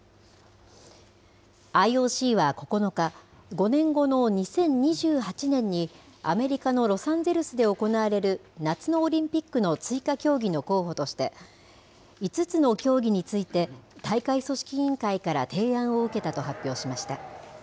ＩＯＣは９日、５年後の２０２８年に、アメリカのロサンゼルスで行われる夏のオリンピックの追加競技の候補として、５つの競技について、大会組織委員会から提案を受けたと発表しました。